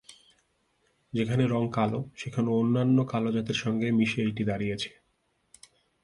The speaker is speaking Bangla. যেখানে রঙ কালো, সেখানে অন্যান্য কালো জাতের সঙ্গে মিশে এইটি দাঁড়িয়েছে।